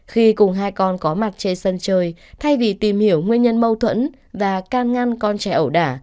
khi cùng hai con có mặt chê sân chơi thay vì tìm hiểu nguyên nhân mâu thuẫn và can ngăn con trẻ ẩu đả